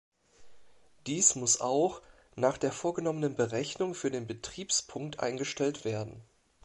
Dies muss auch nach der vorgenommenen Berechnung für den Betriebspunkt eingestellt werden.